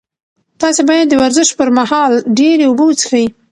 تاسي باید د ورزش پر مهال ډېرې اوبه وڅښئ.